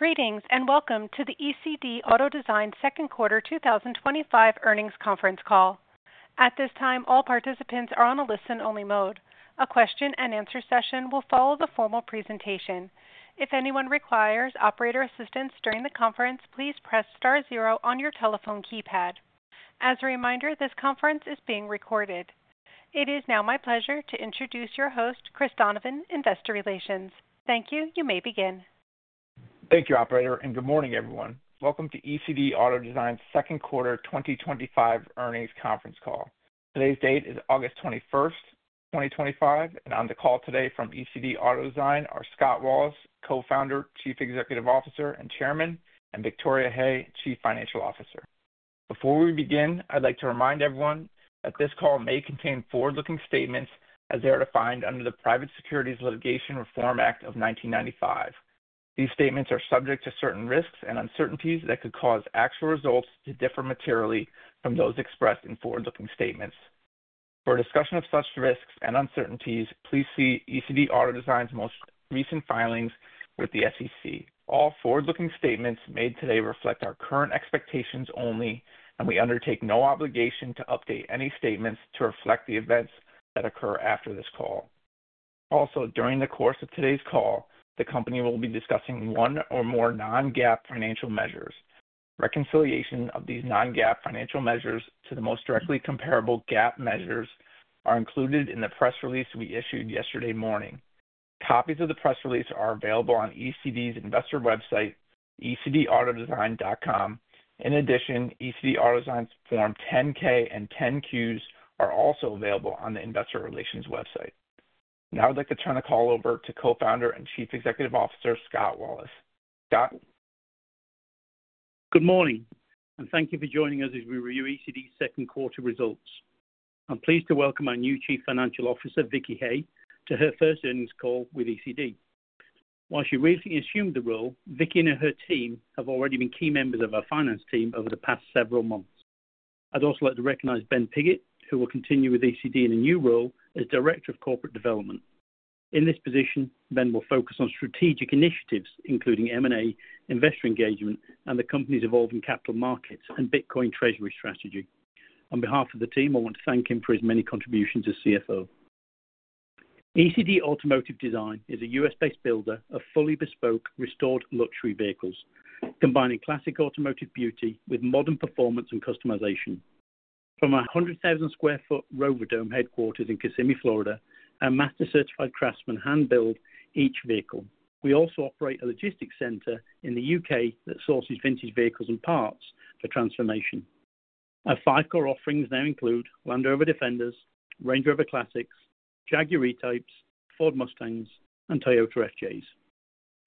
Greetings and welcome to the ECD Auto Design Second Quarter 2025 Earnings Conference Call. At this time, all participants are on a listen-only mode. A question and answer session will follow the formal presentation. If anyone requires operator assistance during the conference, please press star zero on your telephone keypad. As a reminder, this conference is being recorded. It is now my pleasure to introduce your host, Chris Donovan, Investor Relations. Thank you. You may begin. Thank you, Operator, and good morning, everyone. Welcome to ECD Auto Design's Second Quarter 2025 Earnings Conference Call. Today's date is August 21, 2025, and on the call today from ECD Auto Design are Scott Wallace, Co-Founder, Chief Executive Officer and Chairman, and Victoria Hay, Chief Financial Officer. Before we begin, I'd like to remind everyone that this call may contain forward-looking statements as they are defined under the Private Securities Litigation Reform Act of 1995. These statements are subject to certain risks and uncertainties that could cause actual results to differ materially from those expressed in forward-looking statements. For a discussion of such risks and uncertainties, please see ECD Auto Design's most recent filings with the SEC. All forward-looking statements made today reflect our current expectations only, and we undertake no obligation to update any statements to reflect the events that occur after this call. Also, during the course of today's call, the company will be discussing one or more non-GAAP financial measures. Reconciliation of these non-GAAP financial measures to the most directly comparable GAAP measures are included in the press release we issued yesterday morning. Copies of the press release are available on ECD's Investor Website, ecdautodesign.com. In addition, ECD Automotive Design's Form 10-K and 10-Qs are also available on the Investor Relations website. Now I'd like to turn the call over to Co-Founder and Chief Executive Officer, Scott Wallace. Scott? Good morning, and thank you for joining us as we review ECD's Second Quarter Results. I'm pleased to welcome our new Chief Financial Officer, Victoria Hay, to her first earnings call with ECD. While she recently assumed the role, Victoria and her team have already been key members of our finance team over the past several months. I'd also like to recognize Ben Piggott, who will continue with ECD in a new role as Director of Corporate Development. In this position, Ben will focus on strategic initiatives, including M&A, investor engagement, and the company's evolving capital markets and Bitcoin Treasury strategy. On behalf of the team, I want to thank him for his many contributions as CFO. ECD Automotive Design is a U.S.-based builder of fully bespoke restored luxury vehicles, combining classic automotive beauty with modern performance and customization. From our 100,000 square foot Rover Dome headquarters in Kissimmee, Florida, our master certified craftsmen hand build each vehicle. We also operate a logistics center in the U.K. that sources vintage vehicles and parts for transformation. Our five core offerings now include Land Rover Defenders, Range Rover Classics, Jaguar E-Types, Ford Mustangs, and Toyota FJs.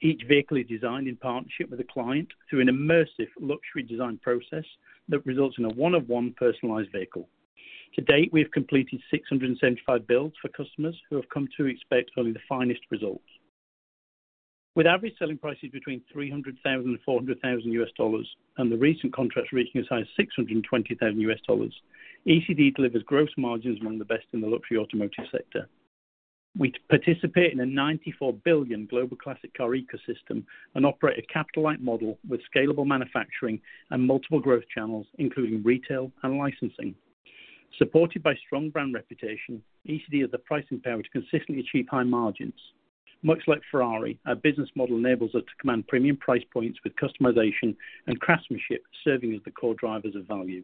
Each vehicle is designed in partnership with a client through an immersive luxury design experience that results in a one-of-one personalized vehicle. To date, we have completed 675 builds for customers who have come to expect only the finest results. With average selling prices between $300,000 and $400,000, and the recent contracts reaching as high as $620,000, ECD delivers gross margins among the best in the luxury automotive sector. We participate in a $94 billion global classic car ecosystem and operate a capital-light model with scalable manufacturing and multiple growth channels, including retail and licensing. Supported by a strong brand reputation, ECD has the pricing power to consistently achieve high margins. Much like Ferrari, our business model enables us to command premium price points with customization and craftsmanship serving as the core drivers of value.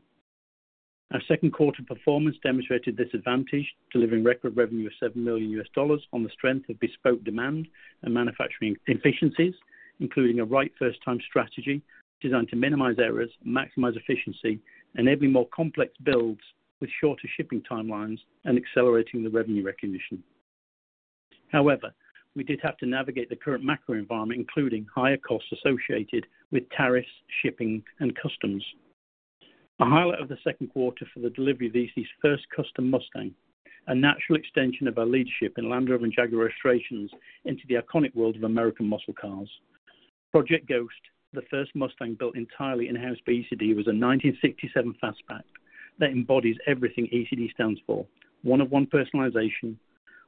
Our second quarter performance demonstrated this advantage, delivering record revenue of $7 million on the strength of bespoke demand and manufacturing efficiencies, including a right first-time strategy designed to minimize errors, maximize efficiency, enabling more complex builds with shorter shipping timelines and accelerating the revenue recognition. However, we did have to navigate the current macro environment, including higher costs associated with tariffs, shipping, and customs. A highlight of the second quarter was the delivery of ECD's first custom Mustang, a natural extension of our leadership in Land Rover and Jaguar restorations into the iconic world of American muscle cars. Project Ghost, the first Mustang built entirely in-house by ECD, was a 1967 fastback that embodies everything ECD stands for: one-of-one personalization,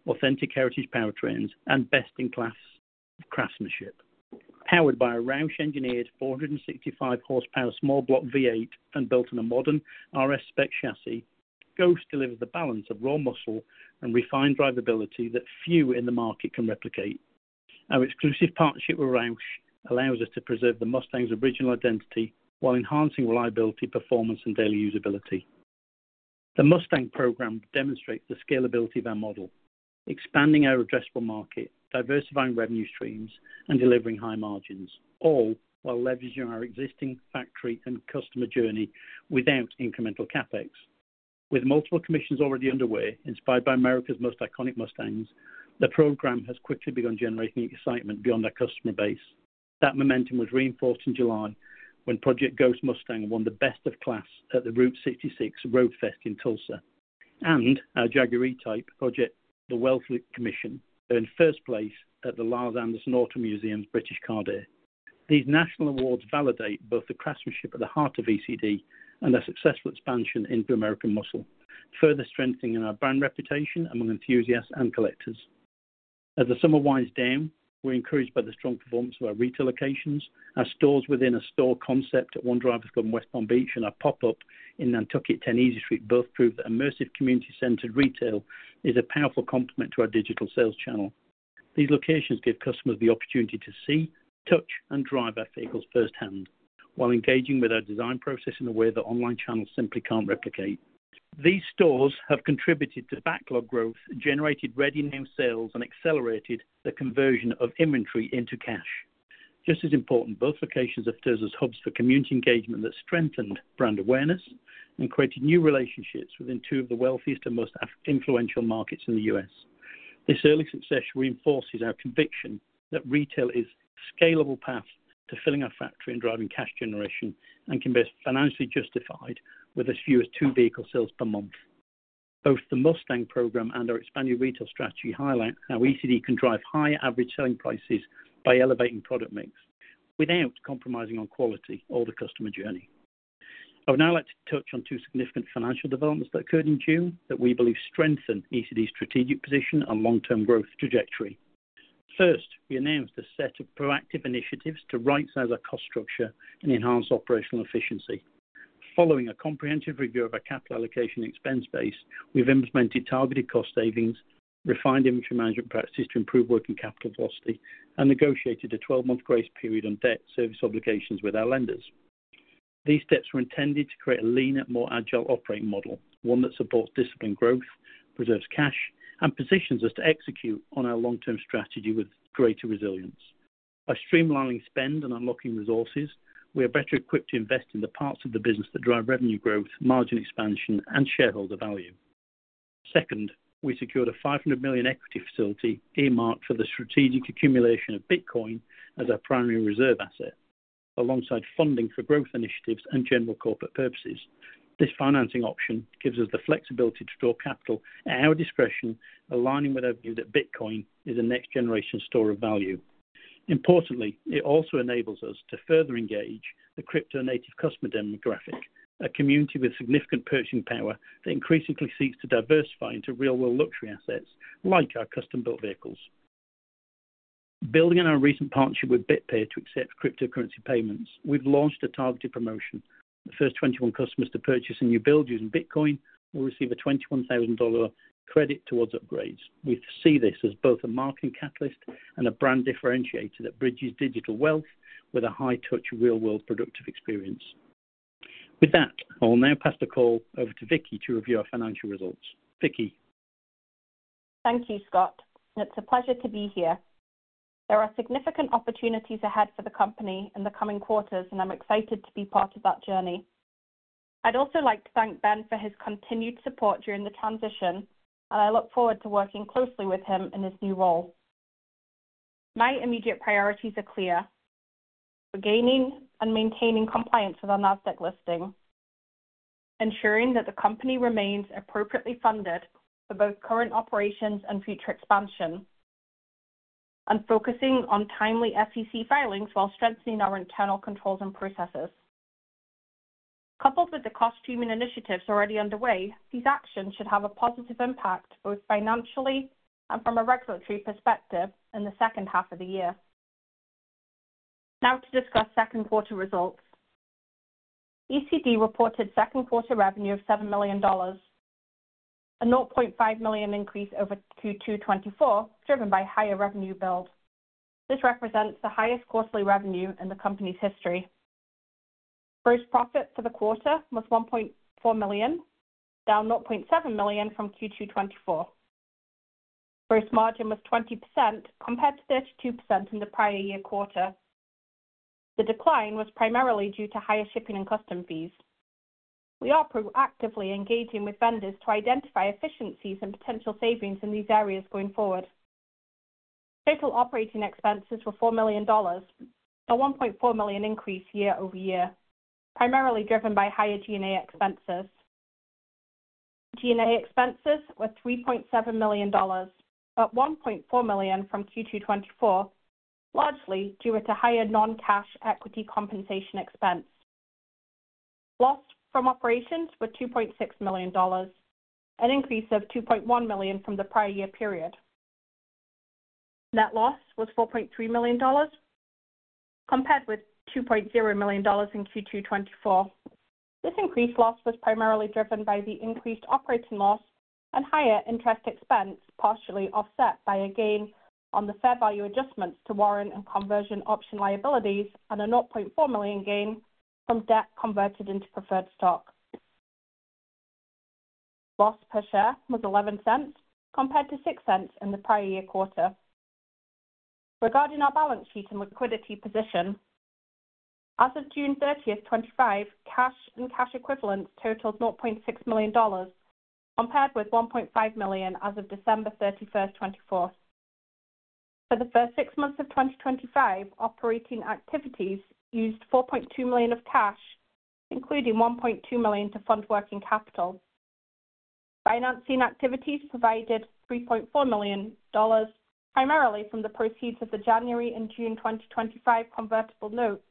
authentic heritage powertrains, and best-in-class craftsmanship. Powered by a Roush Performance-engineered 465 horsepower small block V8 and built on a modern RS spec chassis, Ghost delivers the balance of raw muscle and refined drivability that few in the market can replicate. Our exclusive partnership with Roush Performance allows us to preserve the Mustang's original identity while enhancing reliability, performance, and daily usability. The Mustang program demonstrates the scalability of our model, expanding our addressable market, diversifying revenue streams, and delivering high margins, all while leveraging our existing factory and customer journey without incremental CapEx. With multiple commissions already underway, inspired by America's most iconic Mustangs, the program has quickly begun generating excitement beyond our customer base. That momentum was reinforced in July when Project Ghost Mustang won Best of Class at the Route 66 Road Fest in Tulsa, and our Jaguar E-Type Project The Wealth Commission earned first place at the Lars Andersen Auto Museum's British Car Day. These national awards validate both the craftsmanship at the heart of ECD and our successful expansion into American muscle, further strengthening our brand reputation among enthusiasts and collectors. At the Summer Wines Dam, we're encouraged by the strong performance of our retail locations. Our stores-within-a-store concept at One Driver's Club in West Palm Beach and our pop-up in Nantucket, 10 Easy Street, both prove that immersive community-centered retail is a powerful complement to our digital sales channel. These locations give customers the opportunity to see, touch, and drive our vehicles firsthand, while engaging with our design process in a way that online channels simply can't replicate. These stores have contributed to backlog growth, generated ready-to-new sales, and accelerated the conversion of inventory into cash. Just as important, both locations have served as hubs for community engagement that strengthened brand awareness and created new relationships within two of the wealthiest and most influential markets in the U.S. This early success reinforces our conviction that retail is a scalable path to filling our factory and driving cash generation and can be financially justified with as few as two vehicle sales per month. Both the Mustang program and our expanding retail strategy highlight how ECD Automotive Design can drive higher average selling prices by elevating product mix without compromising on quality or the customer journey. I would now like to touch on two significant financial developments that occurred in June that we believe strengthen ECD Automotive Design's strategic position and long-term growth trajectory. First, we announced a set of proactive initiatives to right-size our cost structure and enhance operational efficiency. Following a comprehensive review of our capital allocation and expense base, we've implemented targeted cost savings, refined inventory management practices to improve working capital velocity, and negotiated a 12-month grace period on debt service obligations with our lenders. These steps were intended to create a leaner, more agile operating model, one that supports disciplined growth, preserves cash, and positions us to execute on our long-term strategy with greater resilience. By streamlining spend and unlocking resources, we are better equipped to invest in the parts of the business that drive revenue growth, margin expansion, and shareholder value. Second, we secured a $500 million equity facility earmarked for the strategic accumulation of Bitcoin as our primary reserve asset, alongside funding for growth initiatives and general corporate purposes. This financing option gives us the flexibility to draw capital at our discretion, aligning with our view that Bitcoin is a next-generation store of value. Importantly, it also enables us to further engage the crypto-native customer demographic, a community with significant purchasing power that increasingly seeks to diversify into real-world luxury assets like our custom-built vehicles. Building on our recent partnership with BitPay to accept cryptocurrency payments, we've launched a targeted promotion. The first 21 customers to purchase a new build using Bitcoin will receive a $21,000 credit towards upgrades. We see this as both a marketing catalyst and a brand differentiator that bridges digital wealth with a high-touch real-world productive experience. With that, I will now pass the call over to Vicki to review our financial results. Vicki. Thank you, Scott. It's a pleasure to be here. There are significant opportunities ahead for the company in the coming quarters, and I'm excited to be part of that journey. I'd also like to thank Ben for his continued support during the transition, and I look forward to working closely with him in his new role. My immediate priorities are clear: regaining and maintaining compliance with our NASDAQ listing, ensuring that the company remains appropriately funded for both current operations and future expansion, and focusing on timely SEC filings while strengthening our internal controls and processes. Coupled with the cost-saving initiatives already underway, these actions should have a positive impact both financially and from a regulatory perspective in the second half of the year. Now to discuss Second Quarter Results. ECD reported second quarter revenue of $7 million, a $0.5 million increase over Q2 2024, driven by higher revenue build. This represents the highest quarterly revenue in the company's history. Gross profit for the quarter was $1.4 million, down $0.7 million from Q2 2024. Gross margin was 20% compared to 32% in the prior year quarter. The decline was primarily due to higher shipping and customs fees. We are proactively engaging with vendors to identify efficiencies and potential savings in these areas going forward. Total operating expenses were $4 million, a $1.4 million increase year-over-year, primarily driven by higher G&A expenses. G&A expenses were $3.7 million, up $1.4 million from Q2 2024, largely due to higher non-cash equity compensation expense. Loss from operations was $2.6 million, an increase of $2.1 million from the prior year period. Net loss was $4.3 million, compared with $2.0 million in Q2 2024. This increased loss was primarily driven by the increased operating loss and higher interest expense, partially offset by a gain on the fair value adjustments to warrant and conversion option liabilities and a $0.4 million gain from debt converted into preferred stock. Loss per share was $0.11 compared to $0.06 in the prior year quarter. Regarding our balance sheet and liquidity position, as of June 30, 2025, cash and cash equivalents totaled $0.6 million compared with $1.5 million as of December 31, 2024. For the first six months of 2025, operating activities used $4.2 million of cash, including $1.2 million to fund working capital. Financing activities provided $3.4 million, primarily from the proceeds of the January and June 2025 convertible notes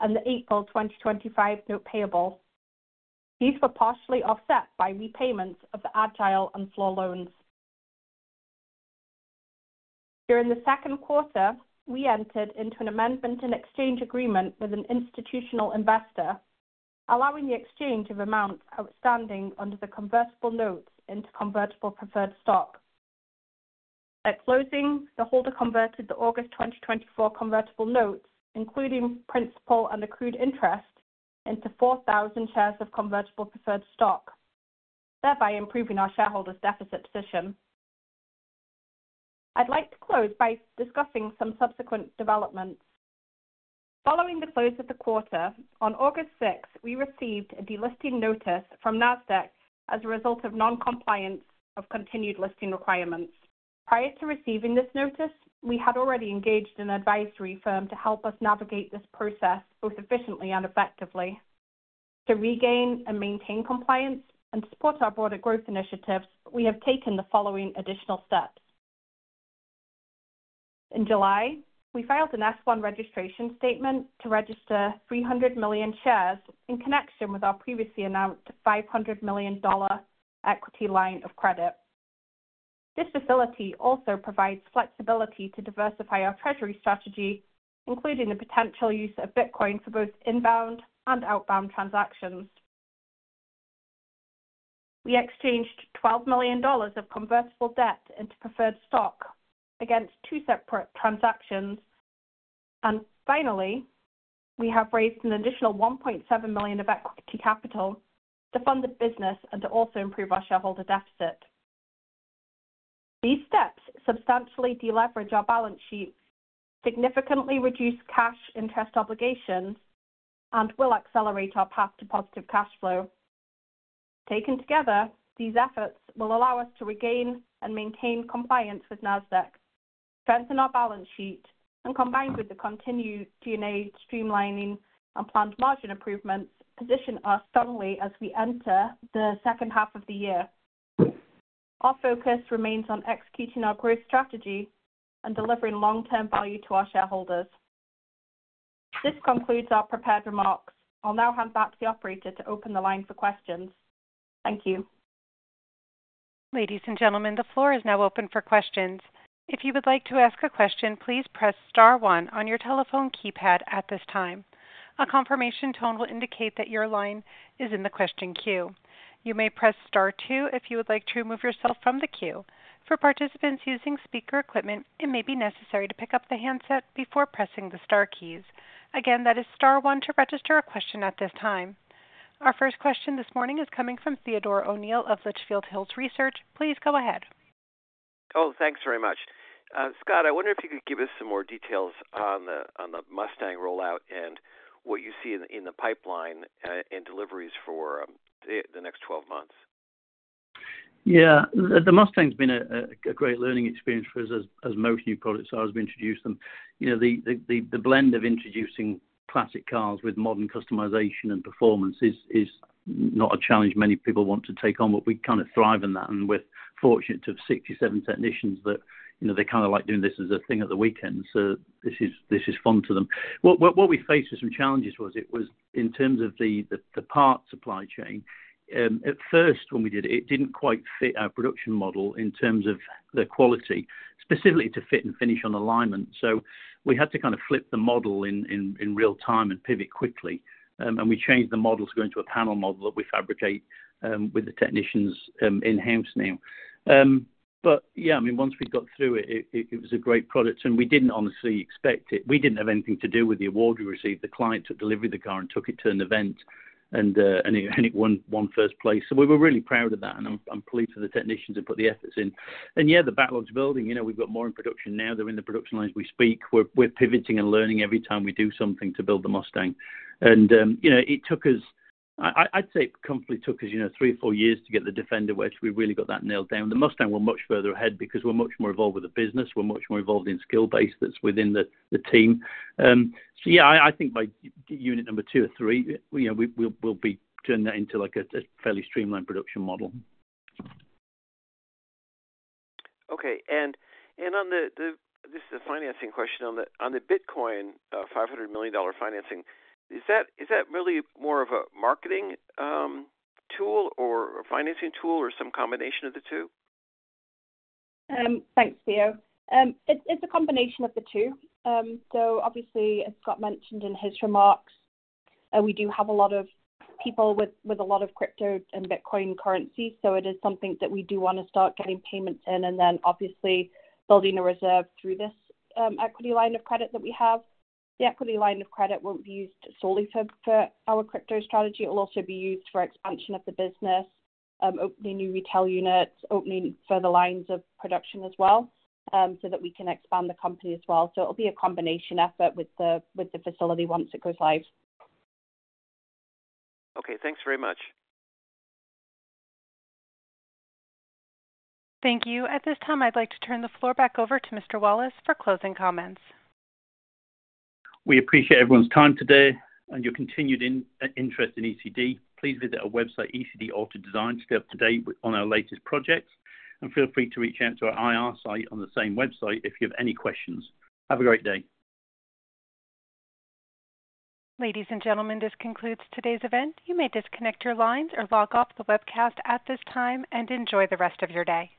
and the April 2025 note payable. These were partially offset by repayments of the Agile and floor loans. During the second quarter, we entered into an amendment and exchange agreement with an institutional investor, allowing the exchange of amounts outstanding under the convertible notes into convertible preferred stock. At closing, the holder converted the August 2024 convertible notes, including principal and accrued interest, into 4,000 shares of convertible preferred stock, thereby improving our shareholders' deficit position. I'd like to close by discussing some subsequent developments. Following the close of the quarter, on August 6, we received a delisting notice from NASDAQ as a result of non-compliance of continued listing requirements. Prior to receiving this notice, we had already engaged an advisory firm to help us navigate this process both efficiently and effectively. To regain and maintain compliance and support our broader growth initiatives, we have taken the following additional steps. In July, we filed an S-1 registration statement to register 300 million shares in connection with our previously announced $500 million equity line of credit. This facility also provides flexibility to diversify our treasury strategy, including the potential use of Bitcoin for both inbound and outbound transactions. We exchanged $12 million of convertible debt into preferred stock against two separate transactions, and finally, we have raised an additional $1.7 million of equity capital to fund the business and to also improve our shareholder deficit. These steps substantially deleverage our balance sheet, significantly reduce cash interest obligations, and will accelerate our path to positive cash flow. Taken together, these efforts will allow us to regain and maintain compliance with NASDAQ, strengthen our balance sheet, and, combined with the continued G&A streamlining and planned margin improvements, position us strongly as we enter the second half of the year. Our focus remains on executing our growth strategy and delivering long-term value to our shareholders. This concludes our prepared remarks. I'll now hand back to the Operator to open the line for questions. Thank you. Ladies and gentlemen, the floor is now open for questions. If you would like to ask a question, please press star one on your telephone keypad at this time. A confirmation tone will indicate that your line is in the question queue. You may press star two if you would like to remove yourself from the queue. For participants using speaker equipment, it may be necessary to pick up the handset before pressing the star keys. Again, that is star one to register a question at this time. Our first question this morning is coming from Theodore O'Neill of Litchfield Hills Research. Please go ahead. Thanks very much. Scott, I wonder if you could give us some more details on the Mustang rollout and what you see in the pipeline and deliveries for the next 12 months. Yeah, the Mustang's been a great learning experience for us, as most new products are, as we introduce them. You know, the blend of introducing classic cars with modern customization and performance is not a challenge. Many people want to take on what we kind of thrive in that, and we're fortunate to have 67 technicians that, you know, they kind of like doing this as a thing at the weekend. This is fun to them. What we faced with some challenges was it was in terms of the parts supply chain. At first, when we did it, it didn't quite fit our production model in terms of the quality, specifically to fit and finish on alignment. We had to kind of flip the model in real time and pivot quickly. We changed the model to go into a panel model that we fabricate with the technicians in-house now. Yeah, I mean, once we got through it, it was a great product, and we didn't honestly expect it. We didn't have anything to do with the award we received. The client took delivery of the car and took it to an event, and it won first place. We were really proud of that, and I'm pleased for the technicians who put the efforts in. Yeah, the backlog's building. We've got more in production now. They're in the production lines as we speak. We're pivoting and learning every time we do something to build the Mustang. You know, it took us, I'd say, it comfortably took us, you know, three or four years to get the Defender where we really got that nailed down. The Mustang we're much further ahead because we're much more involved with the business. We're much more involved in the skill base that's within the team. Yeah, I think by unit number two or three, you know, we'll be turning that into like a fairly streamlined production model. Okay, on the, this is a financing question on the Bitcoin $500 million financing. Is that really more of a marketing tool or a financing tool or some combination of the two? Thanks, Theo. It's a combination of the two. Obviously, as Scott mentioned in his remarks, we do have a lot of people with a lot of crypto and Bitcoin currencies. It is something that we do want to start getting payments in and then obviously building a reserve through this equity line of credit that we have. The equity line of credit won't be used solely for our crypto strategy. It'll also be used for expansion of the business, opening new retail units, opening further lines of production as well, so that we can expand the company as well. It'll be a combination effort with the facility once it goes live. Okay, thanks very much. Thank you. At this time, I'd like to turn the floor back over to Mr. Wallace for closing comments. We appreciate everyone's time today and your continued interest in ECD Automotive Design. Please visit our website, ecdautodesign.com, to stay up to date on our latest projects, and feel free to reach out to our IR site on the same website if you have any questions. Have a great day. Ladies and gentlemen, this concludes today's event. You may disconnect your lines or log off the webcast at this time and enjoy the rest of your day.